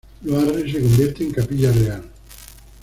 Loarre se convierte en capilla real.